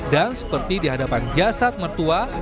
dan seperti dihadapan jasad mertua